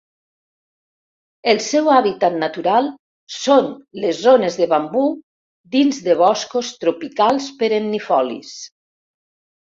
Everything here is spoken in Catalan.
El seu hàbitat natural són les zones de bambú dins de boscos tropicals perennifolis.